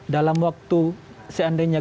dalam waktu seandainya